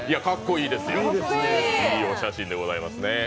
いいお写真でございますね。